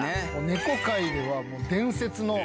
猫界では伝説の。